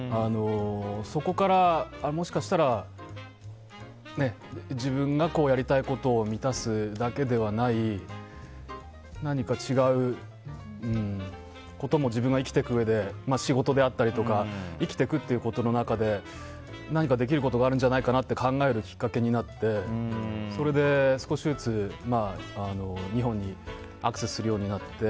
そこから、もしかしたら自分がやりたいことを満たすだけではない何か違うことも自分が生きていくうえで仕事であったりとか生きていくということの中で何かできることがあるんじゃないかなって考えるきっかけになってそれで、少しずつ日本にアクセスするようになって。